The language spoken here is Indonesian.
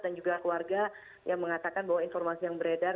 dan juga keluarga yang mengatakan bahwa informasi yang beredar